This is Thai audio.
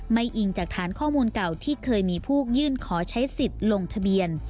อิงจากฐานข้อมูลเก่าที่เคยมีผู้ยื่นขอใช้สิทธิ์ลงทะเบียน